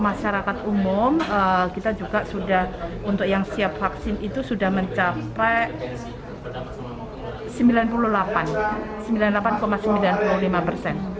masyarakat umum kita juga sudah untuk yang siap vaksin itu sudah mencapai sembilan puluh delapan sembilan puluh delapan sembilan puluh lima persen